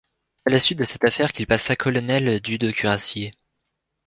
C'est à la suite de cette affaire qu'il passa colonel du de cuirassiers.